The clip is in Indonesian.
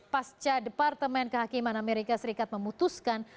pasca departemen kehakiman amerika serikat memutuskan